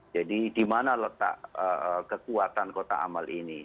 jadi di mana letak kekuatan kotak amal ini